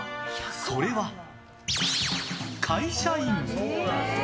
それは、会社員。